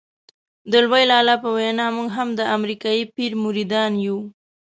د لوی لالا په وینا موږ هم د امریکایي پیر مریدان یو.